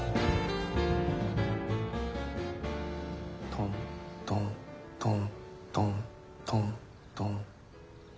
トントントントントントン。